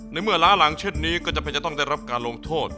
เมื่อล้าหลังเช่นนี้ก็จำเป็นจะต้องได้รับการลงโทษ